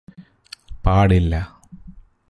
പാടില്ല